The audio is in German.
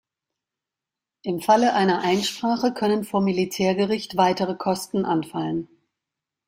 Im Falle einer Einsprache können vor Militärgericht weitere Kosten anfallen.